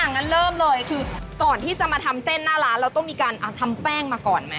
งั้นเริ่มเลยคือก่อนที่จะมาทำเส้นหน้าร้านเราต้องมีการทำแป้งมาก่อนไหม